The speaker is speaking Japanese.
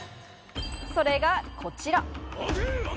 それがこちら。